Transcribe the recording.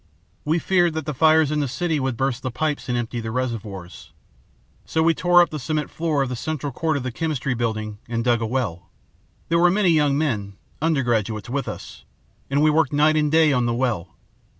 We feared that the fires in the city would burst the pipes and empty the reservoirs. So we tore up the cement floor of the central court of the Chemistry Building and dug a well. There were many young men, undergraduates, with us, and we worked night and day on the well.